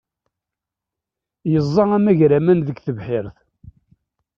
Yeẓẓa amagraman deg tebḥirt.